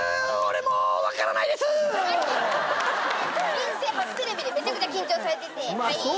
人生初テレビでめちゃくちゃ緊張されてて。